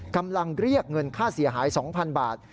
กำลังเรียกเงินค่าเสียหาย๒๐๐๐บาท